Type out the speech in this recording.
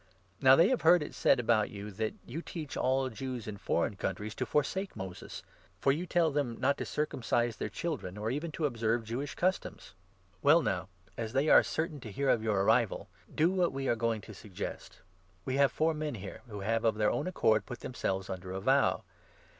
Now they 21 have heard it said about you, that you teach all Jews in foreign countries to forsake Moses, for you tell them not to circumcise their children or even to observe Jewish customs. Well now, 22 256 THE ACTS, 21. as they are certain to hear of your arrival, do what we are 23 going to suggest. We have four men here, who have of their own accord put themselves under a vow.